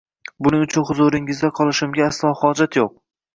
- Buning uchun huzuringizda qolishimga aslo hojat yo‘q.